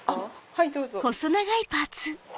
はいどうぞ。